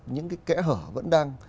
những cái kẽ hở vẫn đang